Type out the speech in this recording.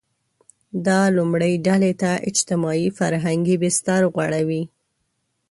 دا لومړۍ ډلې ته اجتماعي – فرهنګي بستر غوړوي.